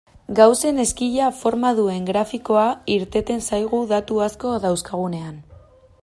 Gaussen ezkila forma duen grafikoa irteten zaigu datu asko dauzkagunean.